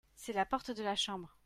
c'est la porte de la chambre.